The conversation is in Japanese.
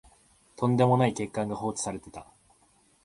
とんでもない欠陥が放置されてた